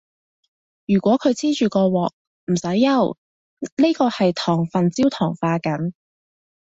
如果佢黐住個鑊，唔使憂，呢個係糖分焦糖化緊